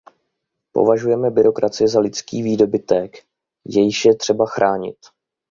Považujeme demokracii za lidský výdobytek, jejž je třeba chránit.